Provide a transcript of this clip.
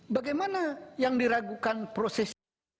bagaimana yang diragukan proses